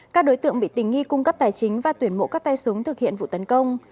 các đối tượng bị tình nghi cung cấp tài chính và tuyển mộ các tay súng thực hiện vụ tấn công